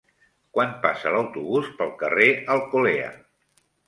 Quan passa l'autobús pel carrer Alcolea?